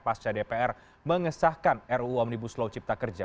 pasca dpr mengesahkan ruu omnibus law cipta kerja